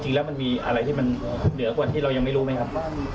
จริงแล้วมันมีอะไรที่มันเหนือกว่าที่เรายังไม่รู้ไหมครับ